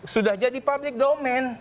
sudah jadi publik domain